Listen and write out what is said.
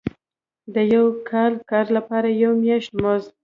د یو کال کار لپاره یو میاشت مزد.